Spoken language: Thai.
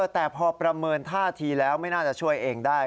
แต่พอประเมินท่าทีแล้วไม่น่าจะช่วยเองได้